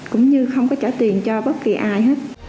cũng như không có trả tiền cho bất kỳ ai hết